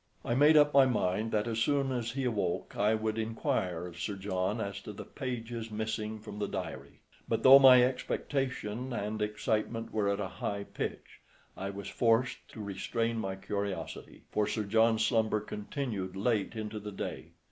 I had made up my mind that as soon as he awoke I would inquire of Sir John as to the pages missing from the diary; but though my expectation and excitement were at a high pitch, I was forced to restrain my curiosity, for Sir John's slumber continued late into the day.